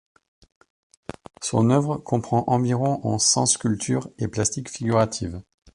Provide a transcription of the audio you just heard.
Son œuvre comprend environ en cent sculptures et plastiques figuratives.